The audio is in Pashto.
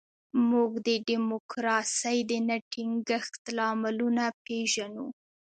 موږ د ډیموکراسۍ د نه ټینګښت لاملونه پېژنو.